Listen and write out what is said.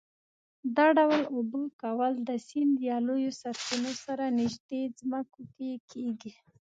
دا ډول اوبه کول د سیند یا لویو سرچینو سره نږدې ځمکو کې کېږي.